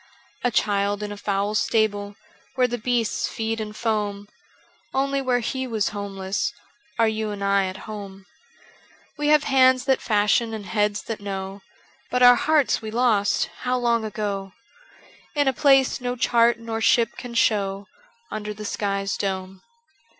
A Child in a foul stable. Where the beasts feed and foam. Only where He was homeless Are you and I at home : We have hands that fashion and heads that know, But our hearts we lost — how long ago I In a place no chart nor ship can show Under the sky's dome.